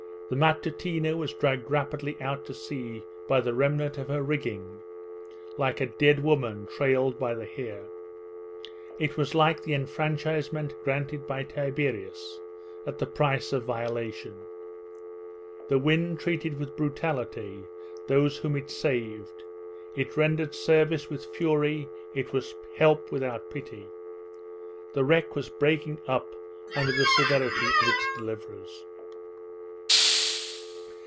The Matutina was dragged rapidly out to sea by the remnant of her rigging like a dead woman trailed by the hair. It was like the enfranchisement granted by Tiberius, at the price of violation. The wind treated with brutality those whom it saved; it rendered service with fury; it was help without pity. The wreck was breaking up under the severity of its deliverers.